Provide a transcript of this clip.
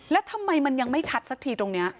แล้วทำไมมันยังไม่ชัดสักทีตรงนี้